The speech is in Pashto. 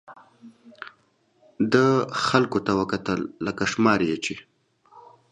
ده خلکو ته وکتل، لکه شماري یې چې.